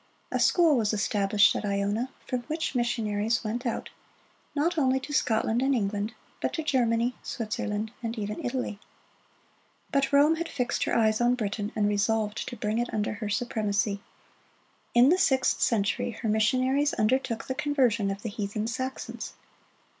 A school was established at Iona, from which missionaries went out, not only to Scotland and England, but to Germany, Switzerland, and even Italy. But Rome had fixed her eyes on Britain, and resolved to bring it under her supremacy. In the sixth century her missionaries undertook the conversion of the heathen Saxons.